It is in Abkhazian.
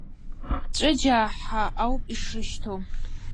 Цәыџьаа ҳәа ауп ишрышьҭоу.